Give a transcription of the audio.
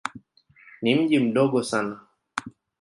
Ni mji mdogo sana.